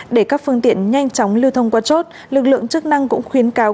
để các phương tiện nhanh chóng lưu thông qua chốt lực lượng chức năng cũng khuyến cáo